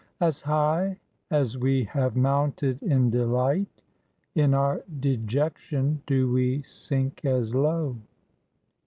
"As high as we have mounted in delight In our dejection do we sink as low."